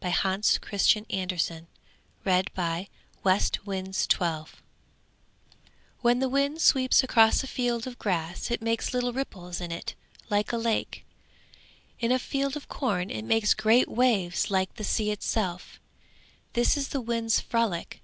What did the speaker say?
THE WIND'S TALE ABOUT WALDEMAR DAA AND HIS DAUGHTERS When the wind sweeps across a field of grass it makes little ripples in it like a lake; in a field of corn it makes great waves like the sea itself: this is the wind's frolic.